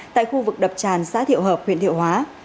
tại khu vực đập tràn xã thiệu hợp huyện thiệu hóa